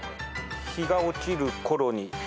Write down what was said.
「日が落ちる頃に」